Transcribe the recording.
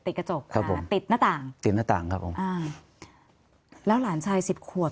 กระจกครับผมติดหน้าต่างติดหน้าต่างครับผมอ่าแล้วหลานชายสิบขวบ